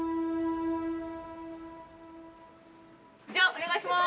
じゃあお願いします。